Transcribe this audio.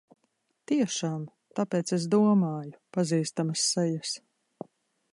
Tiešām! Tāpēc es domāju pazīstamas sejas.